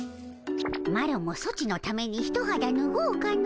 マロもソチのためにひとはだぬごうかの。